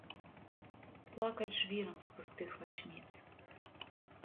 Плакаць жвірам з пустых вачніц.